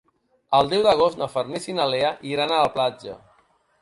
El deu d'agost na Farners i na Lea iran a la platja.